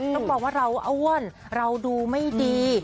ต้องบอกว่าเราอ้วนเราดูไม่ดี